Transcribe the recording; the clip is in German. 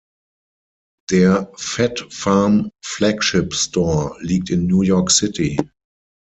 Der Phat-Farm-Flagshipstore liegt in New York City.